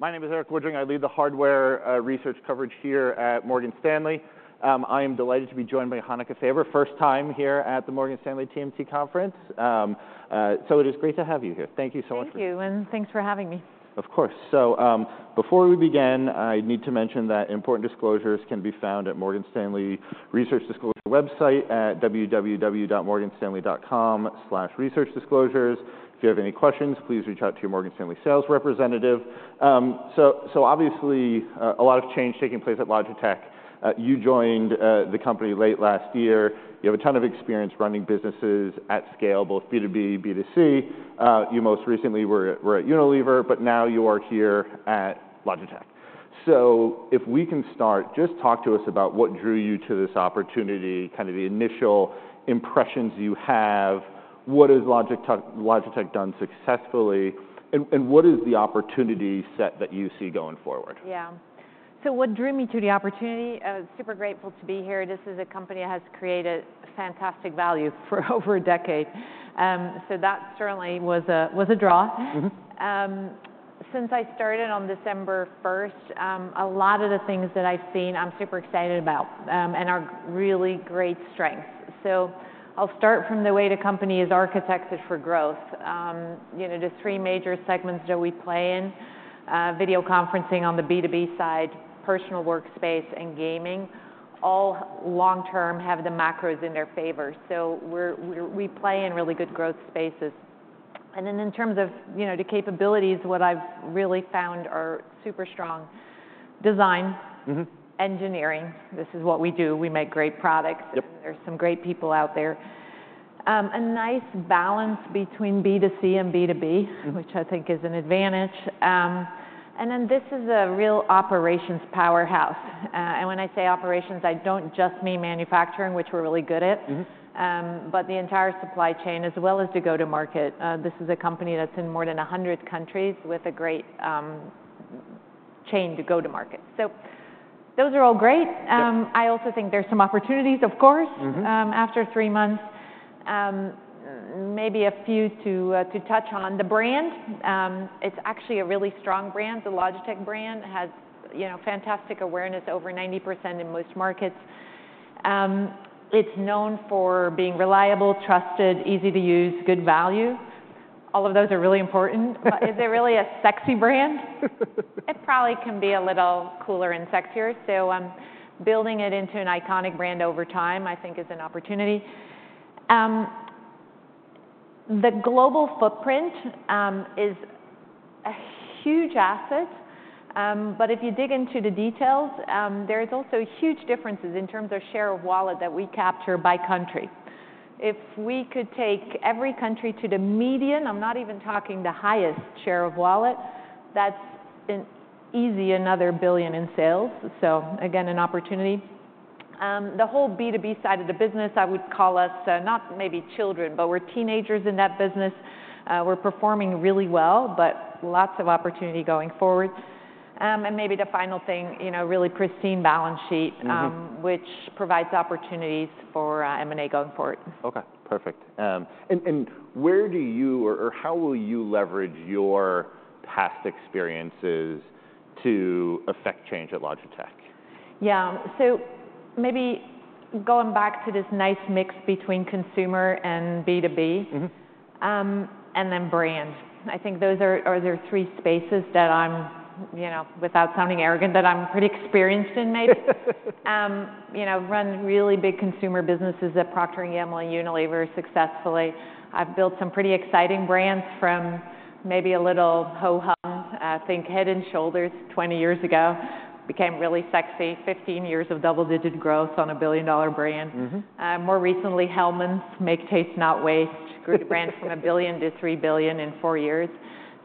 My name is Erik Woodring. I Lead the Hardware Research coverage here at Morgan Stanley. I am delighted to be joined by Hanneke Faber, first time here at the Morgan Stanley TMT Conference. It is great to have you here. Thank you so much for. Thank you, and thanks for having me. Of course. So, before we begin, I need to mention that important disclosures can be found at Morgan Stanley Research Disclosure website at www.morganstanley.com/researchdisclosures. If you have any questions, please reach out to your Morgan Stanley sales representative. So obviously, a lot of change taking place at Logitech. You joined the company late last year. You have a ton of experience running businesses at scale, both B2B, B2C. You most recently were at Unilever, but now you are here at Logitech. So if we can start, just talk to us about what drew you to this opportunity, kind of the initial impressions you have, what has Logitech done successfully, and what is the opportunity set that you see going forward? Yeah. So what drew me to the opportunity? Super grateful to be here. This is a company that has created fantastic value for over a decade. So that certainly was a draw. Mm-hmm. Since I started on December 1st, a lot of the things that I've seen, I'm super excited about, and are really great strengths. So I'll start from the way the company is architected for growth. You know, the three major segments that we play in, video conferencing on the B2B side, personal workspace, and gaming, all long-term have the macros in their favor. So we play in really good growth spaces. And then in terms of, you know, the capabilities, what I've really found are super strong: design. Mm-hmm. Engineering. This is what we do. We make great products. Yep. There's some great people out there. A nice balance between B2C and B2B, which I think is an advantage. Then this is a real operations powerhouse. And when I say operations, I don't just mean manufacturing, which we're really good at. Mm-hmm. But the entire supply chain, as well as to go to market. This is a company that's in more than 100 countries with a great chain to go to market. So those are all great. I also think there's some opportunities, of course. Mm-hmm. After three months. Maybe a few to touch on. The brand, it's actually a really strong brand. The Logitech brand has, you know, fantastic awareness, over 90% in most markets. It's known for being reliable, trusted, easy to use, good value. All of those are really important. But is it really a sexy brand? It probably can be a little cooler and sexier. So, building it into an iconic brand over time, I think, is an opportunity. The global footprint is a huge asset. But if you dig into the details, there's also huge differences in terms of share of wallet that we capture by country. If we could take every country to the median, I'm not even talking the highest share of wallet, that's an easy another $1 billion in sales. So again, an opportunity. The whole B2B side of the business, I would call us, not maybe children, but we're teenagers in that business. We're performing really well, but lots of opportunity going forward. Maybe the final thing, you know, really pristine balance sheet. Mm-hmm. which provides opportunities for M&A going forward. Okay. Perfect. And where do you or how will you leverage your past experiences to affect change at Logitech? Yeah. So maybe going back to this nice mix between consumer and B2B. Mm-hmm. and then brand. I think those are, are there three spaces that I'm, you know, without sounding arrogant, that I'm pretty experienced in maybe. You know, run really big consumer businesses at Procter & Gamble and Unilever successfully. I've built some pretty exciting brands from maybe a little ho-hum, think Head & Shoulders 20 years ago. Became really sexy. 15 years of double-digit growth on a billion-dollar brand. Mm-hmm. More recently, Hellmann's Make Taste, Not Waste grew the brand from $1 billion to $3 billion in four years.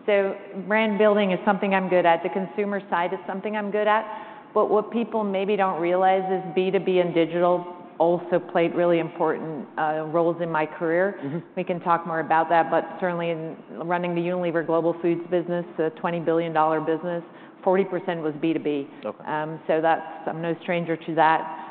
So brand building is something I'm good at. The consumer side is something I'm good at. But what people maybe don't realize is B2B and digital also played really important roles in my career. Mm-hmm. We can talk more about that. But certainly, in running the Unilever Global Foods business, a $20 billion business, 40% was B2B. Okay. So, that's. I'm no stranger to that.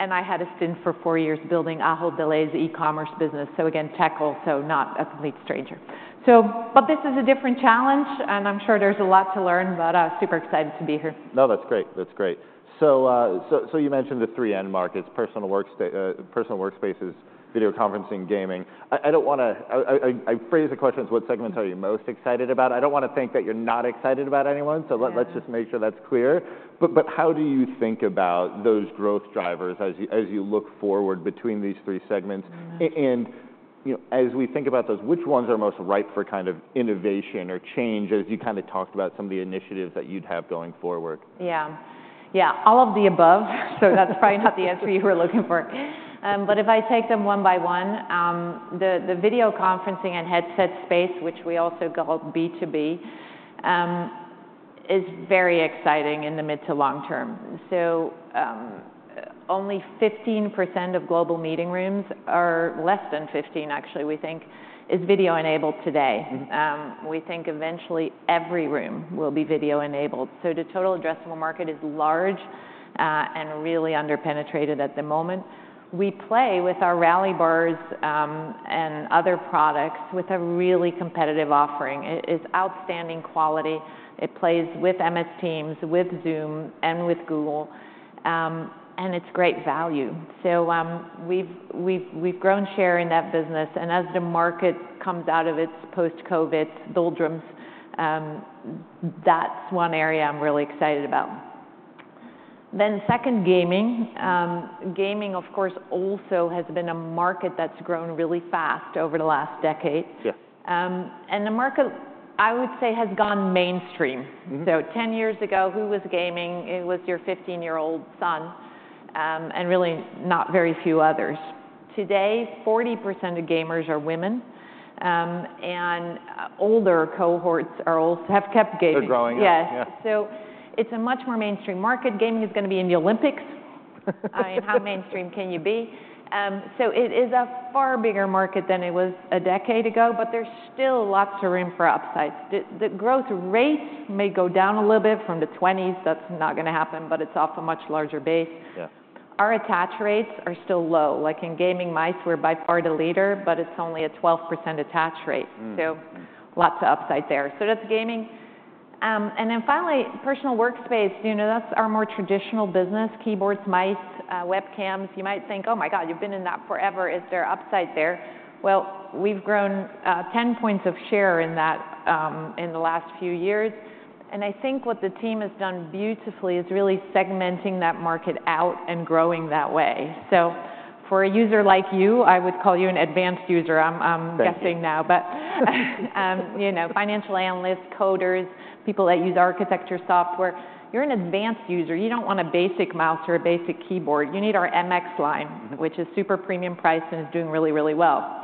I had a stint for four years building Ahold Delhaize's e-commerce business. So, again, tech also, not a complete stranger. So, but this is a different challenge, and I'm sure there's a lot to learn, but super excited to be here. No, that's great. That's great. So you mentioned the three end markets: personal workspace, video conferencing, gaming. I don't want to phrase the question as, "What segments are you most excited about?" I don't want to think that you're not excited about any one. So let's just make sure that's clear. But how do you think about those growth drivers as you look forward between these three segments? And, you know, as we think about those, which ones are most ripe for kind of innovation or change, as you kind of talked about some of the initiatives that you'd have going forward? Yeah. Yeah. All of the above. So that's probably not the answer you were looking for. But if I take them one by one, the video conferencing and headset space, which we also call B2B, is very exciting in the mid- to long-term. So, only 15% of global meeting rooms are less than 15, actually, we think, is video-enabled today. Mm-hmm. We think eventually every room will be video-enabled. So the total addressable market is large, and really under-penetrated at the moment. We play with our Rally Bars, and other products with a really competitive offering. It's outstanding quality. It plays with MS Teams, with Zoom, and with Google. And it's great value. So, we've grown share in that business. And as the market comes out of its post-COVID doldrums, that's one area I'm really excited about. Then second, gaming. Gaming, of course, also has been a market that's grown really fast over the last decade. Yeah. And the market, I would say, has gone mainstream. Mm-hmm. So 10 years ago, who was gaming? It was your 15-year-old son, and really not very few others. Today, 40% of gamers are women. And older cohorts are also have kept gaming. They're growing up. Yes. Yeah. So it's a much more mainstream market. Gaming is gonna be in the Olympics. I mean, how mainstream can you be? So it is a far bigger market than it was a decade ago, but there's still lots of room for upsides. The growth rates may go down a little bit from the 20s. That's not gonna happen, but it's off a much larger base. Yeah. Our attach rates are still low. Like in gaming, mice, we're by far the leader, but it's only a 12% attach rate. Mm-hmm. So lots of upside there. So that's gaming. And then finally, personal workspace. You know, that's our more traditional business: keyboards, mice, webcams. You might think, "Oh my God, you've been in that forever. Is there upside there?" Well, we've grown 10 points of share in that in the last few years. And I think what the team has done beautifully is really segmenting that market out and growing that way. So for a user like you, I would call you an advanced user. I'm guessing now. But you know, financial analysts, coders, people that use architecture software, you're an advanced user. You don't want a basic mouse or a basic keyboard. You need our MX line, which is super premium priced and is doing really, really well.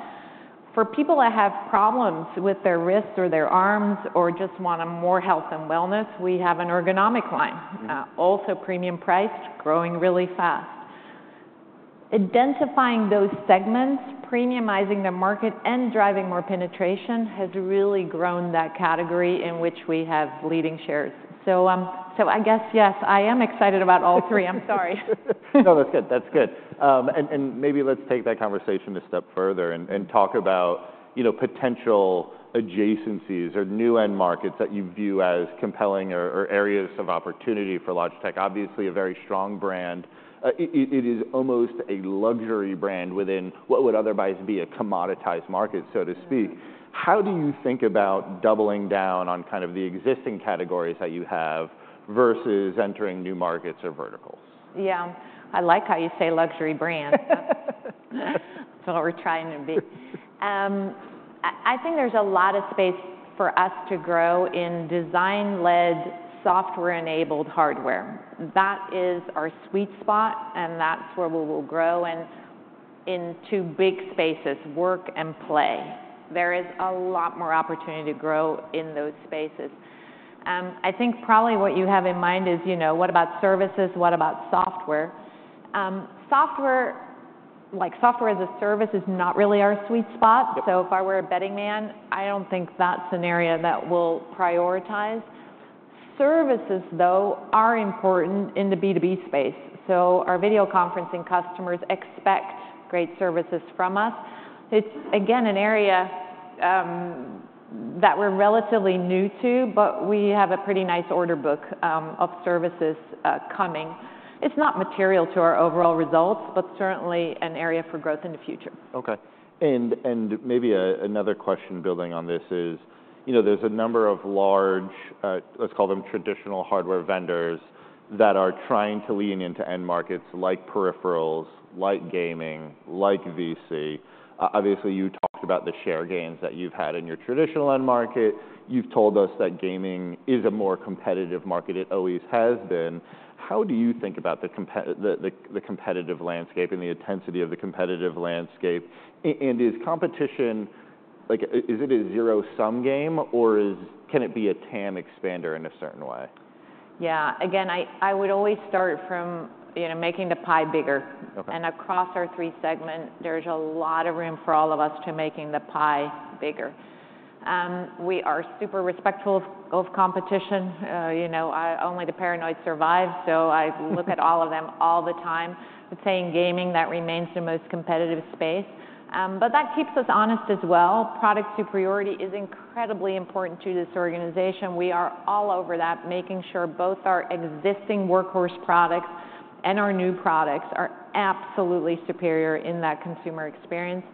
For people that have problems with their wrists or their arms or just want more health and wellness, we have an ergonomic line, also premium priced, growing really fast. Identifying those segments, premiumizing the market, and driving more penetration has really grown that category in which we have leading shares. So, so I guess, yes, I am excited about all three. I'm sorry. No, that's good. That's good. And maybe let's take that conversation a step further and talk about, you know, potential adjacencies or new end markets that you view as compelling or areas of opportunity for Logitech. Obviously, a very strong brand. It is almost a luxury brand within what would otherwise be a commoditized market, so to speak. How do you think about doubling down on kind of the existing categories that you have versus entering new markets or verticals? Yeah. I like how you say luxury brand. That's what we're trying to be. I, I think there's a lot of space for us to grow in design-led, software-enabled hardware. That is our sweet spot, and that's where we will grow in, in two big spaces: work and play. There is a lot more opportunity to grow in those spaces. I think probably what you have in mind is, you know, what about services? What about software? Software like software as a service is not really our sweet spot. Yep. So if I were a betting man, I don't think that scenario that we'll prioritize. Services, though, are important in the B2B space. So our video conferencing customers expect great services from us. It's, again, an area, that we're relatively new to, but we have a pretty nice order book, of services, coming. It's not material to our overall results, but certainly an area for growth in the future. Okay. And maybe another question building on this is, you know, there's a number of large, let's call them traditional hardware vendors that are trying to lean into end markets like peripherals, like gaming, like VC. Obviously, you talked about the share gains that you've had in your traditional end market. You've told us that gaming is a more competitive market. It always has been. How do you think about the competitive landscape and the intensity of the competitive landscape? And is competition like, is it a zero-sum game, or can it be a TAM expander in a certain way? Yeah. Again, I would always start from, you know, making the pie bigger. Okay. Across our three segments, there's a lot of room for all of us to making the pie bigger. We are super respectful of competition. You know, I only the paranoid survives. So I look at all of them all the time saying gaming, that remains the most competitive space. But that keeps us honest as well. Product superiority is incredibly important to this organization. We are all over that, making sure both our existing workhorse products and our new products are absolutely superior in that consumer experience.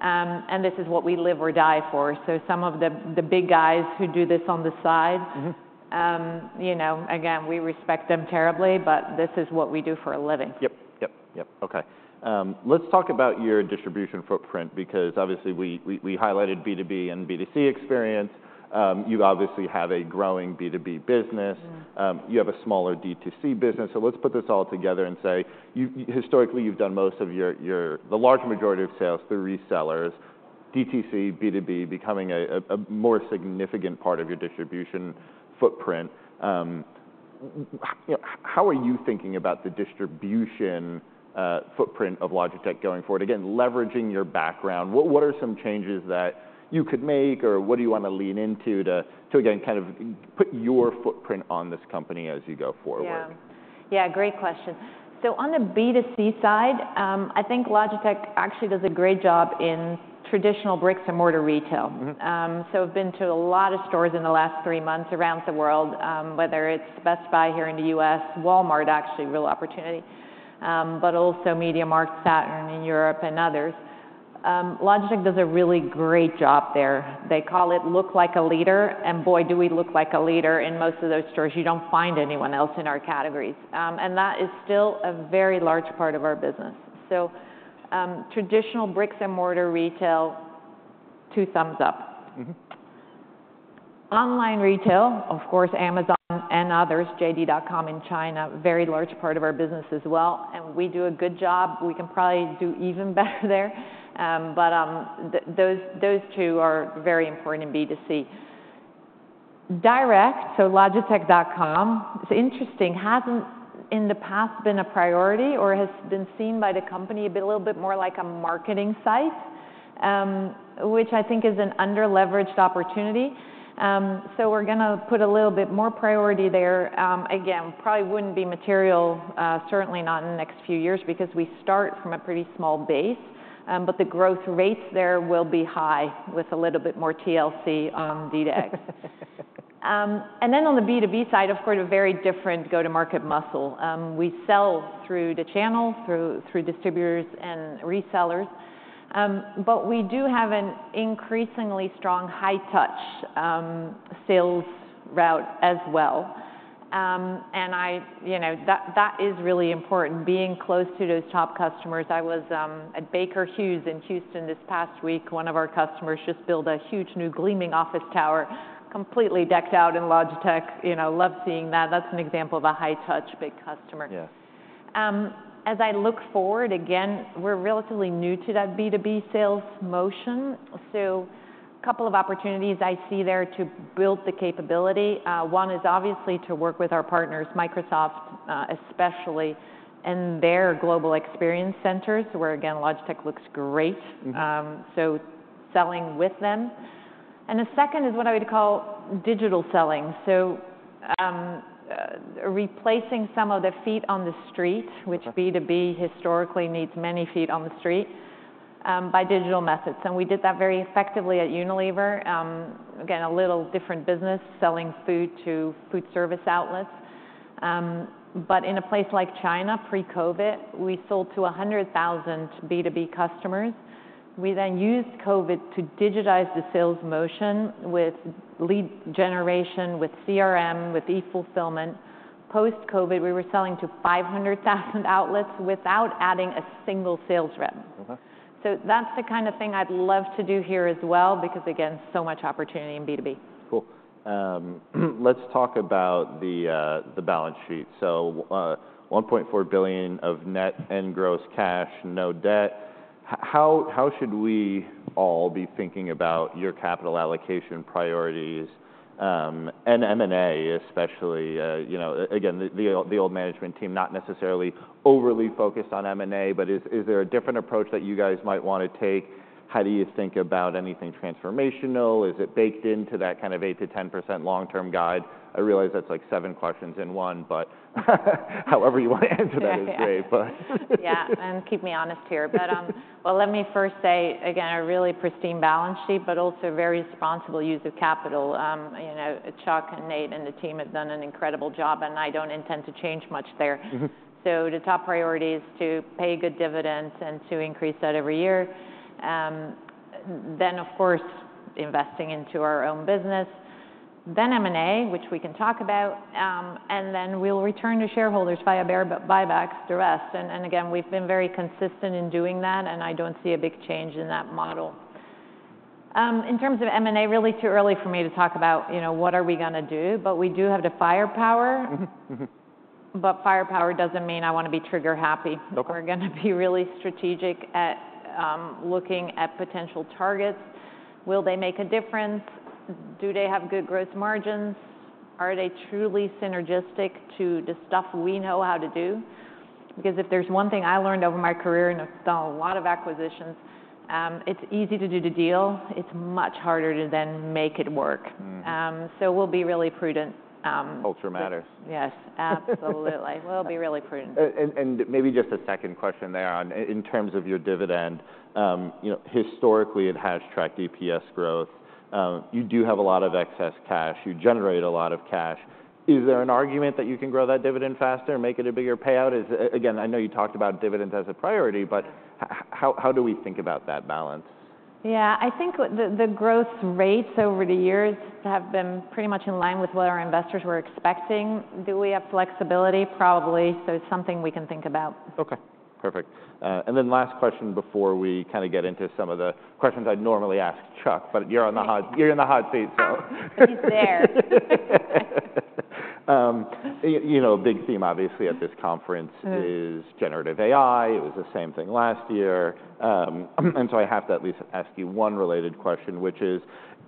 And this is what we live or die for. So some of the big guys who do this on the side. Mm-hmm. You know, again, we respect them terribly, but this is what we do for a living. Yep. Yep. Yep. Okay. Let's talk about your distribution footprint because obviously, we highlighted B2B and B2C experience. You obviously have a growing B2B business. Mm-hmm. You have a smaller D2C business. So let's put this all together and say you've historically, you've done most of your the large majority of sales through resellers. D2C, B2B becoming a more significant part of your distribution footprint. Well, you know, how are you thinking about the distribution footprint of Logitech going forward? Again, leveraging your background, what are some changes that you could make, or what do you wanna lean into to again, kind of put your footprint on this company as you go forward? Yeah. Yeah. Great question. So on the B2C side, I think Logitech actually does a great job in traditional bricks-and-mortar retail. Mm-hmm. So I've been to a lot of stores in the last three months around the world, whether it's Best Buy here in the U.S., Walmart actually, real opportunity, but also MediaMarkt, Saturn in Europe, and others. Logitech does a really great job there. They call it, "Look like a leader." And boy, do we look like a leader in most of those stores. You don't find anyone else in our categories. And that is still a very large part of our business. So, traditional bricks-and-mortar retail, two thumbs up. Mm-hmm. Online retail, of course, Amazon and others, JD.com in China, very large part of our business as well. And we do a good job. We can probably do even better there. But those two are very important in B2C. Direct, so Logitech.com, it's interesting, hasn't in the past been a priority or has been seen by the company as a little bit more like a marketing site, which I think is an under-leveraged opportunity. So we're gonna put a little bit more priority there. Again, probably wouldn't be material, certainly not in the next few years because we start from a pretty small base. But the growth rates there will be high with a little bit more TLC on DTC. And then on the B2B side, of course, a very different go-to-market muscle. We sell through the channel, through distributors and resellers. But we do have an increasingly strong high-touch sales route as well. And I, you know, that is really important, being close to those top customers. I was at Baker Hughes in Houston this past week. One of our customers just built a huge new gleaming office tower completely decked out in Logitech. You know, love seeing that. That's an example of a high-touch big customer. Yeah. As I look forward, again, we're relatively new to that B2B sales motion. So a couple of opportunities I see there to build the capability. One is obviously to work with our partners, Microsoft, especially, and their global experience centers where, again, Logitech looks great. Mm-hmm. So, selling with them. And the second is what I would call digital selling. So, replacing some of the feet on the street, which B2B historically needs many feet on the street, by digital methods. And we did that very effectively at Unilever. Again, a little different business, selling food to food service outlets. But in a place like China, pre-COVID, we sold to 100,000 B2B customers. We then used COVID to digitize the sales motion with lead generation, with CRM, with e-fulfillment. Post-COVID, we were selling to 500,000 outlets without adding a single sales rep. Mm-hmm. That's the kind of thing I'd love to do here as well because, again, so much opportunity in B2B. Cool. Let's talk about the, the balance sheet. So, $1.4 billion of net and gross cash, no debt. How, how should we all be thinking about your capital allocation priorities, and M&A especially? You know, again, the old management team not necessarily overly focused on M&A, but is, is there a different approach that you guys might wanna take? How do you think about anything transformational? Is it baked into that kind of 8%-10% long-term guide? I realize that's like seven questions in one, but however you wanna answer that is great. But. Yes. Yeah. And keep me honest here. But, well, let me first say, again, a really pristine balance sheet, but also very responsible use of capital. You know, Chuck and Nate and the team have done an incredible job, and I don't intend to change much there. Mm-hmm. So the top priorities are to pay good dividends and to increase that every year. Then, of course, investing into our own business. Then M&A, which we can talk about. And then we'll return to shareholders via share buybacks the rest. And, and again, we've been very consistent in doing that, and I don't see a big change in that model. In terms of M&A, really too early for me to talk about, you know, what are we gonna do. But we do have the firepower. Mm-hmm. Mm-hmm. But firepower doesn't mean I wanna be trigger happy. Okay. We're gonna be really strategic at looking at potential targets. Will they make a difference? Do they have good gross margins? Are they truly synergistic to the stuff we know how to do? Because if there's one thing I learned over my career and I've done a lot of acquisitions, it's easy to do the deal. It's much harder to then make it work. Mm-hmm. We'll be really prudent. Culture matters. Yes. Absolutely. We'll be really prudent. And maybe just a second question there on in terms of your dividend, you know, historically, it has tracked EPS growth. You do have a lot of excess cash. You generate a lot of cash. Is there an argument that you can grow that dividend faster and make it a bigger payout? Is, again, I know you talked about dividends as a priority, but how do we think about that balance? Yeah. I think what the growth rates over the years have been pretty much in line with what our investors were expecting. Do we have flexibility? Probably. So it's something we can think about. Okay. Perfect. And then last question before we kinda get into some of the questions I'd normally ask Chuck, but you're in the hot seat, so. He's there. You know, a big theme, obviously, at this conference. Mm-hmm. It's Generative AI. It was the same thing last year. So I have to at least ask you one related question, which is,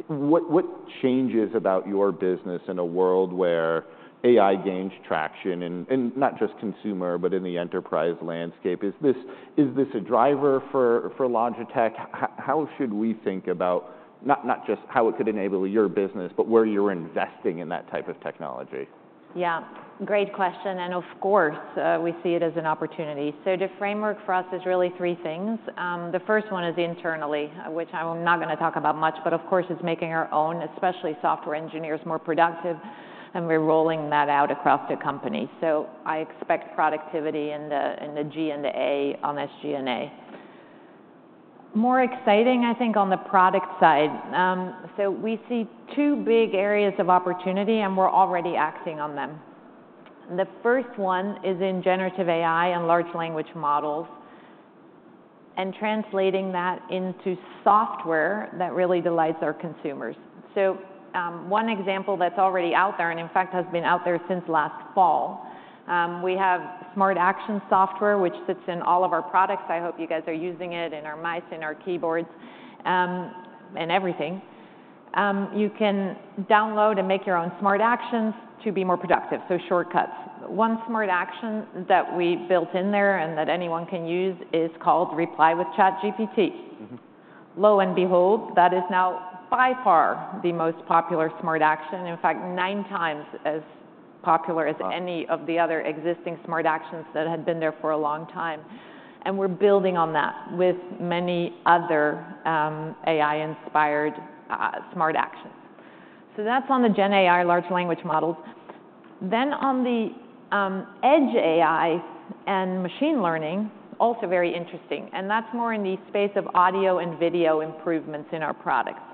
what changes about your business in a world where AI gains traction in not just consumer, but in the enterprise landscape? Is this a driver for Logitech? How should we think about not just how it could enable your business, but where you're investing in that type of technology? Yeah. Great question. Of course, we see it as an opportunity. The framework for us is really three things. The first one is internally, which I'm not gonna talk about much, but of course, it's making our own, especially software engineers, more productive. We're rolling that out across the company. I expect productivity in the G and the A on SG&A. More exciting, I think, on the product side. We see two big areas of opportunity, and we're already acting on them. The first one is in generative AI and large language models and translating that into software that really delights our consumers. One example that's already out there and, in fact, has been out there since last fall, we have Smart Actions software, which sits in all of our products. I hope you guys are using it in our mice, in our keyboards, and everything. You can download and make your own smart actions to be more productive, so shortcuts. One smart action that we built in there and that anyone can use is called Reply with ChatGPT. Mm-hmm. Lo and behold, that is now by far the most popular smart action, in fact, nine times as popular as any of the other existing smart actions that had been there for a long time. We're building on that with many other, AI-inspired, smart actions. That's on the GenAI large language models. On the Edge AI and machine learning, also very interesting. That's more in the space of audio and video improvements in our products.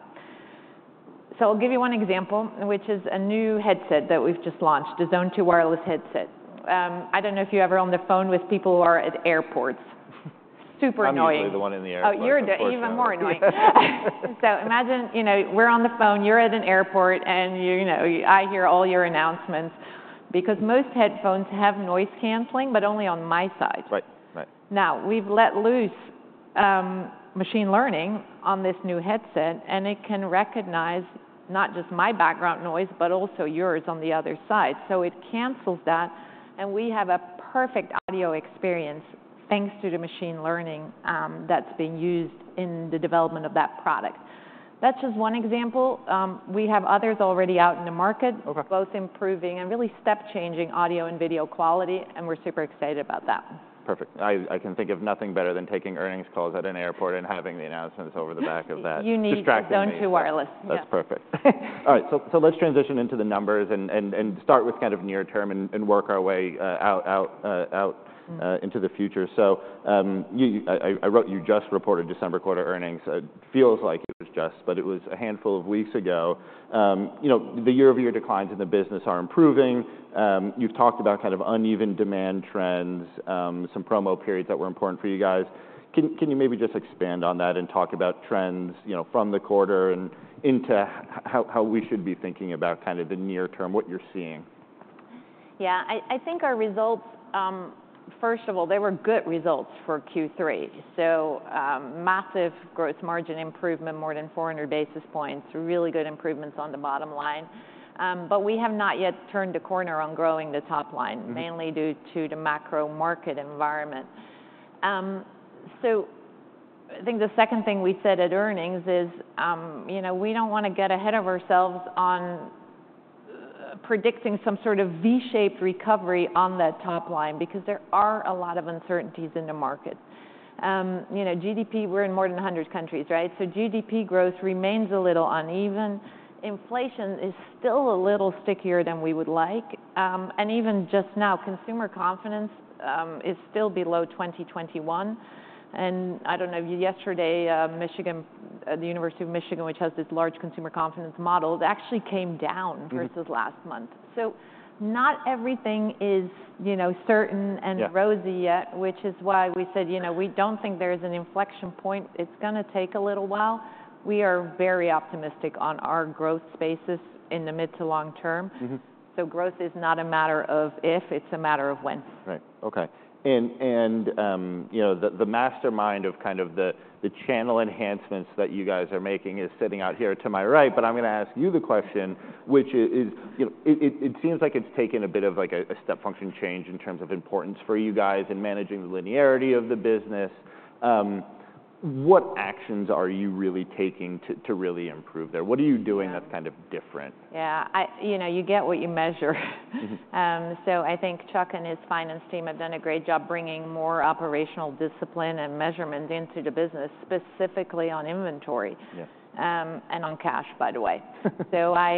I'll give you one example, which is a new headset that we've just launched, the Zone Wireless 2 headset. I don't know if you ever owned a phone with people who are at airports. Super annoying. I'm usually the one in the airport. Oh, you're the even more annoying. So imagine, you know, we're on the phone, you're at an airport, and you, you know, I hear all your announcements because most headphones have noise canceling, but only on my side. Right. Right. Now, we've let loose Machine Learning on this new headset, and it can recognize not just my background noise, but also yours on the other side. So it cancels that, and we have a perfect audio experience thanks to the Machine Learning that's being used in the development of that product. That's just one example. We have others already out in the market. Okay. Both improving and really step-changing audio and video quality, and we're super excited about that. Perfect. I can think of nothing better than taking earnings calls at an airport and having the announcements over the back of that distracting me. You need Zone Wireless 2. Yeah. That's perfect. All right. So let's transition into the numbers and start with kind of near-term and work our way out into the future. So, you know, I note you just reported December quarter earnings. It feels like it was just yesterday, but it was a handful of weeks ago. You know, the year-over-year declines in the business are improving. You've talked about kind of uneven demand trends, some promo periods that were important for you guys. Can you maybe just expand on that and talk about trends, you know, from the quarter and into how we should be thinking about kind of the near-term, what you're seeing? Yeah. I, I think our results, first of all, they were good results for Q3. So, massive gross margin improvement, more than 400 basis points, really good improvements on the bottom line. But we have not yet turned the corner on growing the top line. Mm-hmm. Mainly due to the macro market environment. So I think the second thing we said at earnings is, you know, we don't wanna get ahead of ourselves on predicting some sort of V-shaped recovery on that top line because there are a lot of uncertainties in the market. You know, GDP, we're in more than 100 countries, right? So GDP growth remains a little uneven. Inflation is still a little stickier than we would like. And even just now, consumer confidence is still below 2021. And I don't know, yesterday, Michigan, the University of Michigan, which has this large consumer confidence model, it actually came down versus last month. Mm-hmm. Not everything is, you know, certain and rosy yet. Mm-hmm. Which is why we said, you know, we don't think there's an inflection point. It's gonna take a little while. We are very optimistic on our growth spaces in the mid to long term. Mm-hmm. Growth is not a matter of if. It's a matter of when. Right. Okay. And you know, the mastermind of kind of the channel enhancements that you guys are making is sitting out here to my right, but I'm gonna ask you the question, which is, you know, it seems like it's taken a bit of like a step function change in terms of importance for you guys in managing the linearity of the business. What actions are you really taking to really improve there? What are you doing that's kind of different? Yeah. I, you know, you get what you measure. Mm-hmm. I think Chuck and his finance team have done a great job bringing more operational discipline and measurements into the business, specifically on inventory. Yeah. and on cash, by the way. So I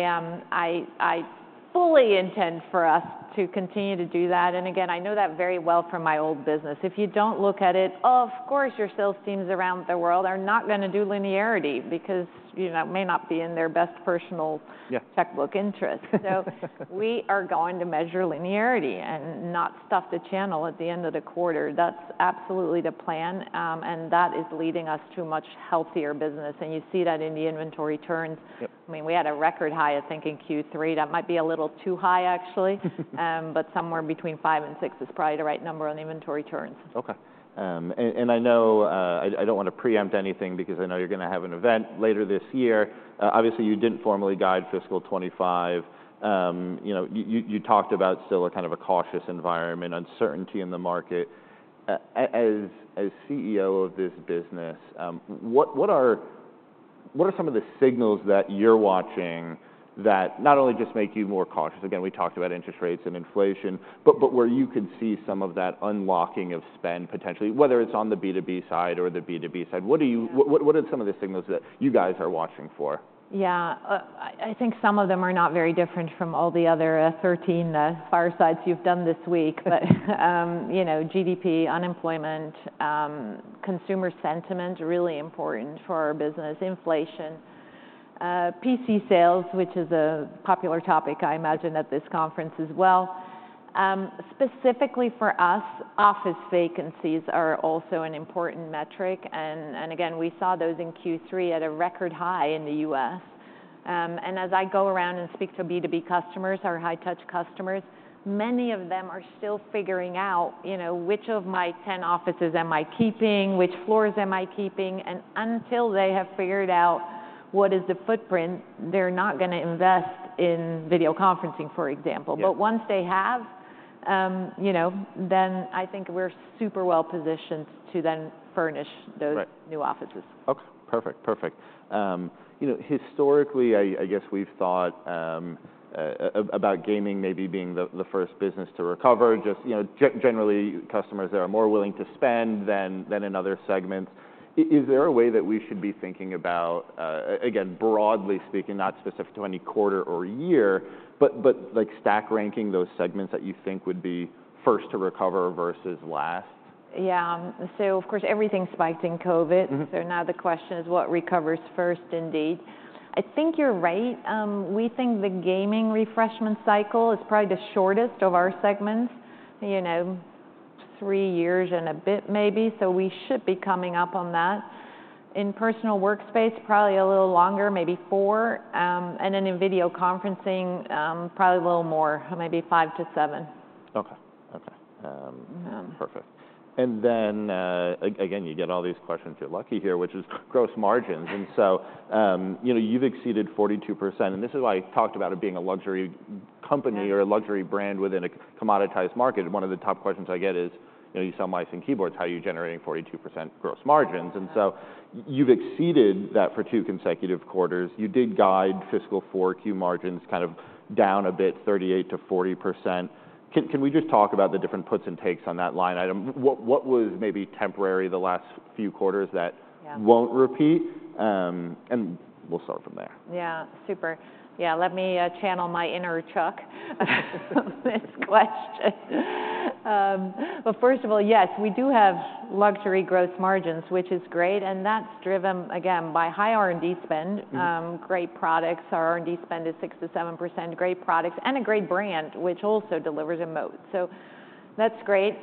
fully intend for us to continue to do that. And again, I know that very well from my old business. If you don't look at it, of course, your sales teams around the world are not gonna do linearity because, you know, it may not be in their best personal. Yeah. Checkbook interest. So we are going to measure linearity and not stuff the channel at the end of the quarter. That's absolutely the plan. And that is leading us to much healthier business. And you see that in the inventory turns. Yep. I mean, we had a record high, I think, in Q3. That might be a little too high, actually. Mm-hmm. But somewhere between 5 and 6 is probably the right number on inventory turns. Okay. And I know I don't wanna preempt anything because I know you're gonna have an event later this year. Obviously, you didn't formally guide fiscal 2025. You know, you talked about still a kind of a cautious environment, uncertainty in the market. As CEO of this business, what are some of the signals that you're watching that not only just make you more cautious? Again, we talked about interest rates and inflation, but where you could see some of that unlocking of spend potentially, whether it's on the B2B side or the B2B side. What are some of the signals that you guys are watching for? Yeah. I, I think some of them are not very different from all the other 13 firesides you've done this week. Mm-hmm. But, you know, GDP, unemployment, consumer sentiment, really important for our business, inflation, PC sales, which is a popular topic, I imagine, at this conference as well. Specifically for us, office vacancies are also an important metric. And again, we saw those in Q3 at a record high in the U.S. And as I go around and speak to B2B customers, our high-touch customers, many of them are still figuring out, you know, which of my 10 offices am I keeping, which floors am I keeping. And until they have figured out what is the footprint, they're not gonna invest in video conferencing, for example. Yeah. But once they have, you know, then I think we're super well positioned to then furnish those. Right. New offices. Okay. Perfect. Perfect. You know, historically, I guess we've thought about gaming maybe being the first business to recover, just, you know, generally, customers that are more willing to spend than in other segments. Is there a way that we should be thinking about, again, broadly speaking, not specific to any quarter or year, but like stack ranking those segments that you think would be first to recover versus last? Yeah. So of course, everything spiked in COVID. Mm-hmm. So now the question is what recovers first indeed. I think you're right. We think the gaming refreshment cycle is probably the shortest of our segments, you know, 3 years and a bit maybe. So we should be coming up on that. In personal workspace, probably a little longer, maybe 4. And then in video conferencing, probably a little more, maybe 5-7. Okay. Okay. Yeah. Perfect. And then, again, you get all these questions. You're lucky here, which is gross margins. And so, you know, you've exceeded 42%. And this is why I talked about it being a luxury company or a luxury brand within a commoditized market. One of the top questions I get is, you know, you sell mice and keyboards. How are you generating 42% gross margins? And so you've exceeded that for two consecutive quarters. You did guide fiscal 4Q margins kind of down a bit, 38%-40%. Can we just talk about the different puts and takes on that line item? What was maybe temporary the last few quarters that. Yeah. Won't repeat? And we'll start from there. Yeah. Super. Yeah. Let me channel my inner Chuck on this question. But first of all, yes, we do have luxury gross margins, which is great. And that's driven, again, by high R&D spend. Mm-hmm. Great products. Our R&D spend is 6%-7%. Great products and a great brand, which also delivers moats. So that's great.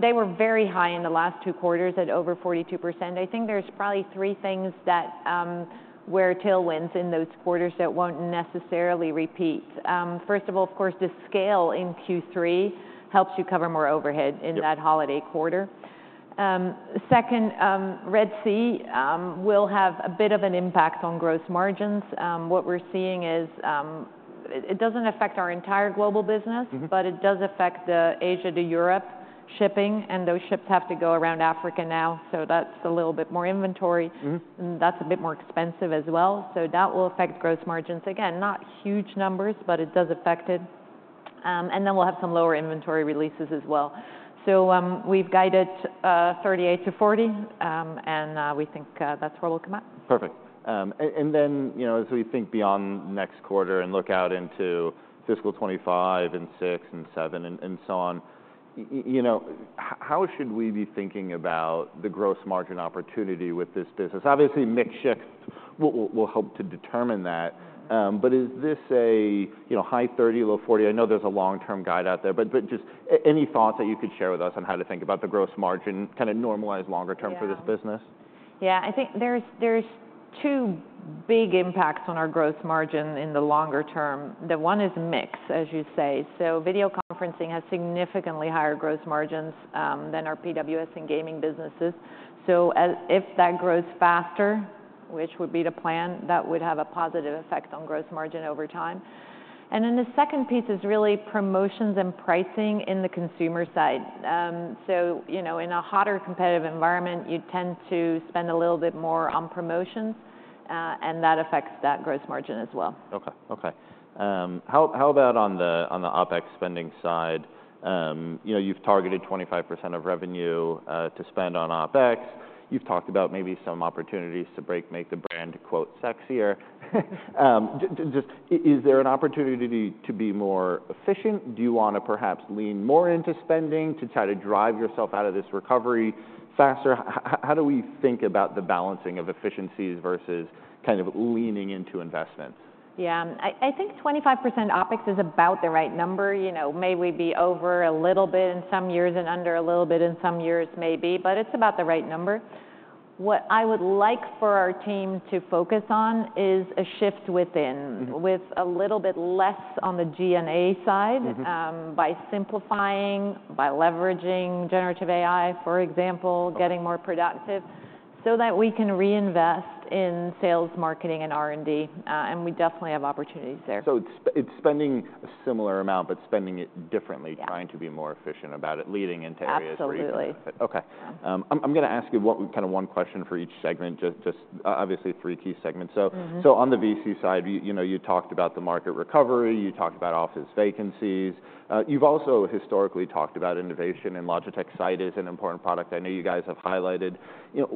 They were very high in the last two quarters at over 42%. I think there's probably three things that, were tailwinds in those quarters that won't necessarily repeat. First of all, of course, the scale in Q3 helps you cover more overhead in that holiday quarter. Mm-hmm. Second, Red Sea, will have a bit of an impact on gross margins. What we're seeing is, it doesn't affect our entire global business. Mm-hmm. But it does affect the Asia to Europe shipping. And those ships have to go around Africa now. So that's a little bit more inventory. Mm-hmm. That's a bit more expensive as well. So that will affect gross margins. Again, not huge numbers, but it does affect it. And then we'll have some lower inventory releases as well. So, we've guided 38-40. And, we think, that's where we'll come out. Perfect. And then, you know, as we think beyond next quarter and look out into fiscal 2025 and 2026 and 2027 and so on, you know, how should we be thinking about the gross margin opportunity with this business? Obviously, mix shift would help to determine that. Mm-hmm. But is this, you know, high 30, low 40? I know there's a long-term guide out there, but just any thoughts that you could share with us on how to think about the gross margin, kind of normalize longer term for this business? Yeah. Yeah. I think there's two big impacts on our gross margin in the longer term. The one is mix, as you say. So video conferencing has significantly higher gross margins than our PWS and gaming businesses. So as if that grows faster, which would be the plan, that would have a positive effect on gross margin over time. And then the second piece is really promotions and pricing in the consumer side. You know, in a hotter competitive environment, you tend to spend a little bit more on promotions, and that affects that gross margin as well. Okay. How about on the OPEX spending side? You know, you've targeted 25% of revenue to spend on OPEX. You've talked about maybe some opportunities to make the brand quote sexier. Just, is there an opportunity to be more efficient? Do you wanna perhaps lean more into spending to try to drive yourself out of this recovery faster? How do we think about the balancing of efficiencies versus kind of leaning into investments? Yeah. I think 25% OPEX is about the right number. You know, maybe we'll be over a little bit in some years and under a little bit in some years, maybe, but it's about the right number. What I would like for our team to focus on is a shift within. Mm-hmm. With a little bit less on the G&A side. Mm-hmm. By simplifying, by leveraging Generative AI, for example, getting more productive so that we can reinvest in sales, marketing, and R&D. And we definitely have opportunities there. So it's spending a similar amount but spending it differently. Yeah. Trying to be more efficient about it, leading into areas where you can benefit. Absolutely. Okay. Yeah. I'm gonna ask you what kind of one question for each segment, just obviously three key segments. So. Mm-hmm. So on the VC side, you know, you talked about the market recovery. You talked about office vacancies. You've also historically talked about innovation. Logitech Sight is an important product. I know you guys have highlighted. You know,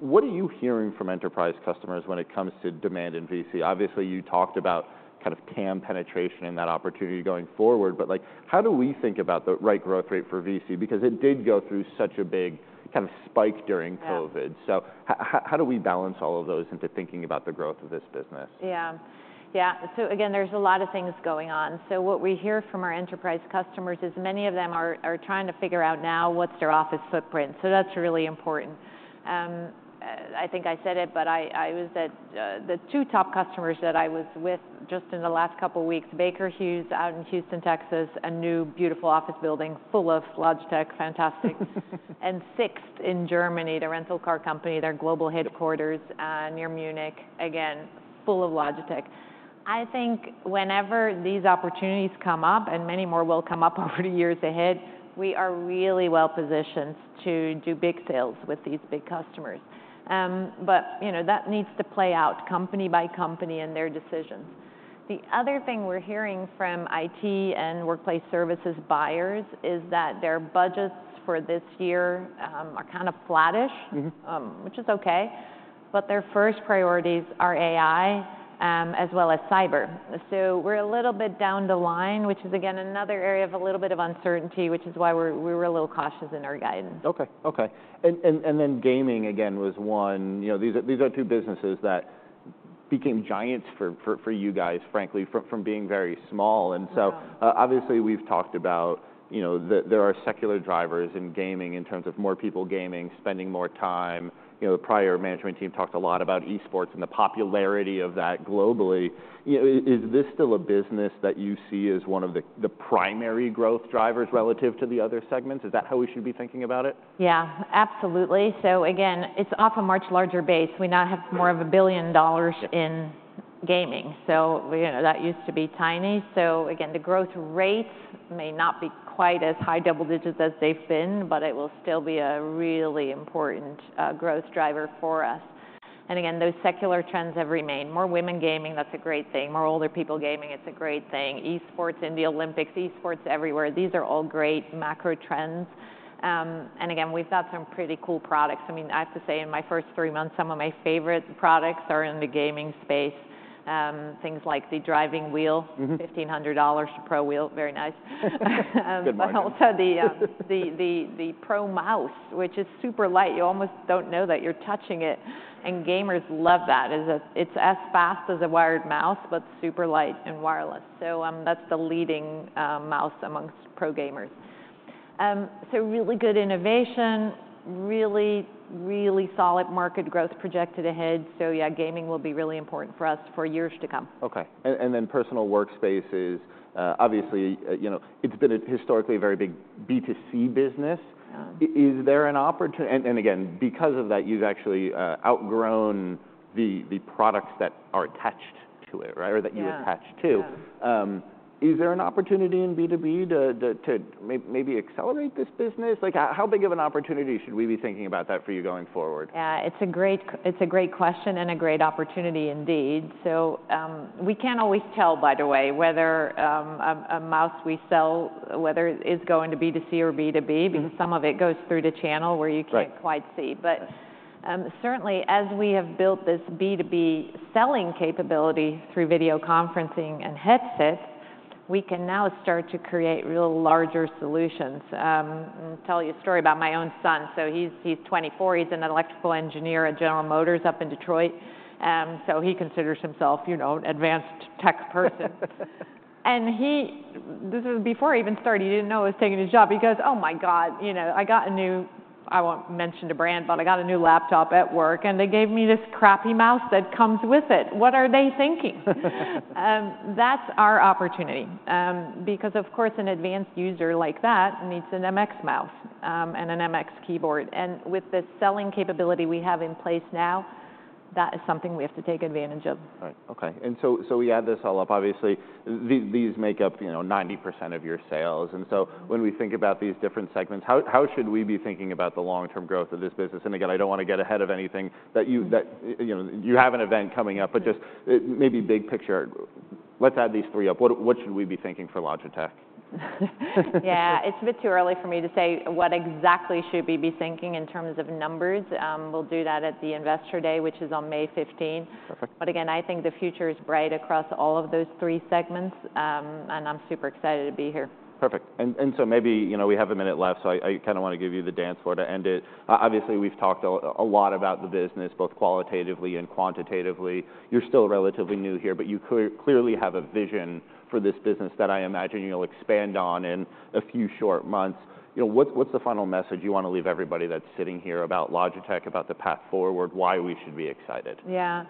what are you hearing from enterprise customers when it comes to demand in VC? Obviously, you talked about kind of TAM penetration and that opportunity going forward, but, like, how do we think about the right growth rate for VC? Because it did go through such a big kind of spike during COVID. Yeah. So how do we balance all of those into thinking about the growth of this business? Yeah. Yeah. So again, there's a lot of things going on. So what we hear from our enterprise customers is many of them are trying to figure out now what's their office footprint. So that's really important. I think I said it, but I was at the two top customers that I was with just in the last couple of weeks, Baker Hughes out in Houston, Texas, a new, beautiful office building full of Logitech, fantastic. And Sixt in Germany, the rental car company, their global headquarters, near Munich, again, full of Logitech. I think whenever these opportunities come up, and many more will come up over the years ahead, we are really well positioned to do big sales with these big customers. But, you know, that needs to play out company by company in their decisions. The other thing we're hearing from IT and workplace services buyers is that their budgets for this year are kind of flattish. Mm-hmm. which is okay. But their first priorities are AI, as well as cyber. So we're a little bit down the line, which is, again, another area of a little bit of uncertainty, which is why we're, we were a little cautious in our guidance. Okay. And then gaming, again, was one. You know, these are two businesses that became giants for you guys, frankly, from being very small. And so. Yeah. Obviously, we've talked about, you know, there are secular drivers in gaming in terms of more people gaming, spending more time. You know, the prior management team talked a lot about Esports and the popularity of that globally. You know, is this still a business that you see as one of the, the primary growth drivers relative to the other segments? Is that how we should be thinking about it? Yeah. Absolutely. So again, it's off a much larger base. We now have more of a $1 billion in gaming. So we, you know, that used to be tiny. So again, the growth rates may not be quite as high double digits as they've been, but it will still be a really important, growth driver for us. And again, those secular trends have remained. More women gaming, that's a great thing. More older people gaming, it's a great thing. Esports in the Olympics, esports everywhere, these are all great macro trends. And again, we've got some pretty cool products. I mean, I have to say, in my first three months, some of my favorite products are in the gaming space. Things like the driving wheel. Mm-hmm. $1,500 Pro Wheel, very nice. Good morning. But also the Pro Mouse, which is super light. You almost don't know that you're touching it. And gamers love that. It's as fast as a wired mouse but super light and wireless. So, that's the leading mouse amongst pro gamers. So really good innovation, really, really solid market growth projected ahead. So yeah, gaming will be really important for us for years to come. Okay. And then personal workspaces, obviously, you know, it's been a historically very big B2C business. Yeah. Is there an opportunity, and again, because of that, you've actually outgrown the products that are attached to it, right, or that you attach to. Yeah. Yeah. Is there an opportunity in B2B to maybe accelerate this business? Like, how big of an opportunity should we be thinking about that for you going forward? Yeah. It's a great question and a great opportunity indeed. So, we can't always tell, by the way, whether a mouse we sell is going to B2C or B2B because some of it goes through the channel where you can't. Right. Quite see. But certainly, as we have built this B2B selling capability through video conferencing and headsets, we can now start to create real larger solutions. I'll tell you a story about my own son. So he's 24. He's an electrical engineer at General Motors up in Detroit. So he considers himself, you know, an advanced tech person. And he this was before I even started. He didn't know I was taking his job. He goes, "Oh my God, you know, I got a new I won't mention the brand, but I got a new laptop at work, and they gave me this crappy mouse that comes with it. What are they thinking?" That's our opportunity. Because of course, an advanced user like that needs an MX mouse, and an MX keyboard. With the selling capability we have in place now, that is something we have to take advantage of. Right. Okay. So we add this all up. Obviously, these make up, you know, 90% of your sales. So when we think about these different segments, how should we be thinking about the long-term growth of this business? And again, I don't wanna get ahead of anything that you, you know, you have an event coming up, but just maybe big picture, let's add these three up. What should we be thinking for Logitech? Yeah. It's a bit too early for me to say what exactly should we be thinking in terms of numbers. We'll do that at the Investor Day, which is on May 15th. Perfect. But again, I think the future is bright across all of those three segments. I'm super excited to be here. Perfect. And so maybe, you know, we have a minute left, so I kinda wanna give you the dance floor to end it. Obviously, we've talked a lot about the business, both qualitatively and quantitatively. You're still relatively new here, but you clearly have a vision for this business that I imagine you'll expand on in a few short months. You know, what's the final message you wanna leave everybody that's sitting here about Logitech, about the path forward, why we should be excited? Yeah.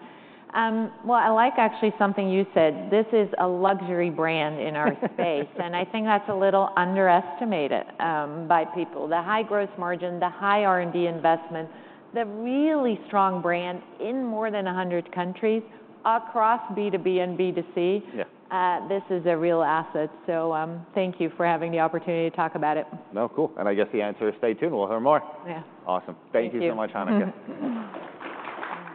Well, I like actually something you said. This is a luxury brand in our space. Mm-hmm. I think that's a little underestimated by people. The high gross margin, the high R&D investment, the really strong brand in more than 100 countries across B2B and B2C. Yeah. This is a real asset. So, thank you for having the opportunity to talk about it. No, cool. I guess the answer is stay tuned. We'll hear more. Yeah. Awesome. Thank you so much, Hanneke. Thank you.